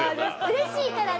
嬉しいからね